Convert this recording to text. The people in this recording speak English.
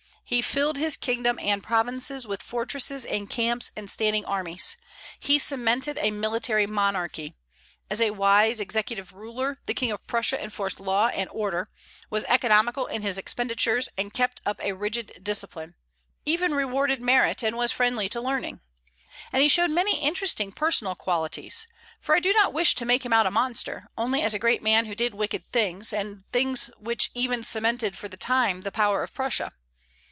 He filled his kingdom and provinces with fortresses and camps and standing armies. He cemented a military monarchy. As a wise executive ruler, the King of Prussia enforced law and order, was economical in his expenditures, and kept up a rigid discipline; even rewarded merit, and was friendly to learning. And he showed many interesting personal qualities, for I do not wish to make him out a monster, only as a great man who did wicked things, and things which even cemented for the time the power of Prussia.